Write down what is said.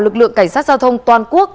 lực lượng cảnh sát giao thông toàn quốc